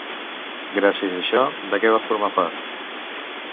Gràcies a això, de què va formar part?